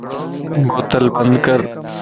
بوتل بند ڪر